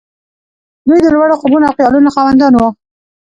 دوی د لوړو خوبونو او خيالونو خاوندان وو.